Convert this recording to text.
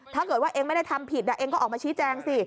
ถ้าเกิดว่าเองไม่ได้ทำผิดเองก็ออกมาชี้แจงสิ